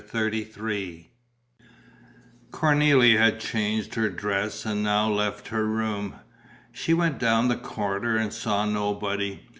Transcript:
CHAPTER XXXIII Cornélie had changed her dress and now left her room. She went down the corridor and saw nobody.